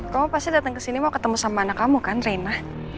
kamu pasti datang ke sini mau ketemu sama anak kamu kan reina